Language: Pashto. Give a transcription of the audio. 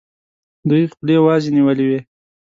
دوی خولې وازي نیولي وي.